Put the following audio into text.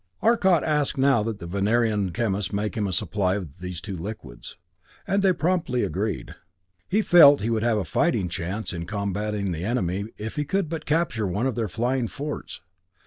Arcot asked now that the Venerian chemists make him a supply of these two liquids; and they promptly agreed. He felt he would have a fighting chance in combatting the enemy if he could but capture one of their flying forts.